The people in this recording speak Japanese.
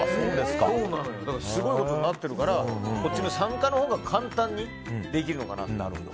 すごいことになってるからこっちも参加のほうが簡単にできるのかなって。